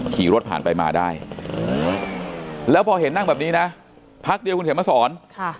ขี่รถผ่านไปมาได้แล้วพอเห็นนั่งแบบนี้นะพักเดียวคุณเขียนมาสอน